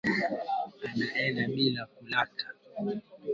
Anaenda bila kulaka